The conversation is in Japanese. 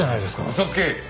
嘘つけ！